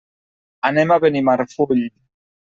Anem a Benimarfull.